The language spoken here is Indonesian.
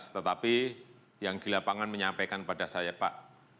tetapi yang di lapangan menyampaikan pada saya pak